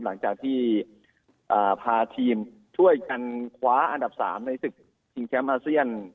หลังจากที่พาทีมช่วยกันคว้าอันดับ๓ในศึกชิงแชมป์อาเซียน